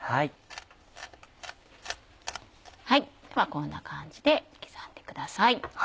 こんな感じで刻んでください。